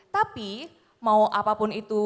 tapi mau apapun itu